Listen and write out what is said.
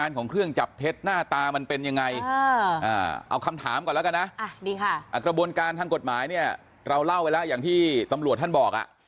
กระบวนการทางกฎหมายเนี่ยเราเล่าไปแล้วอย่างที่ตำรวจท่านบอก